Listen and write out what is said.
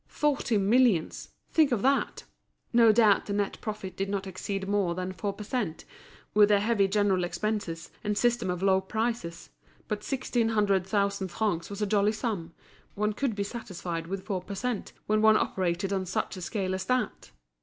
Forty millions! Think of that! No doubt the net profit did not exceed more than four per cent., with their heavy general expenses, and system of low prices; but sixteen hundred thousand francs was a jolly sum, one could be satisfied with four per cent., when one operated on such a scale as that.